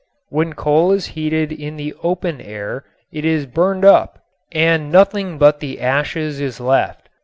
When coal is heated in the open air it is burned up and nothing but the ashes is left.